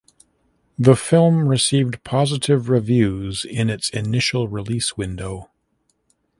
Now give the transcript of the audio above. The film received positive reviews in its initial release window.